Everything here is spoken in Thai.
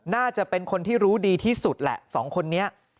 น่าจะเป็นคนที่รู้ดีที่สุดแหละสองคนนี้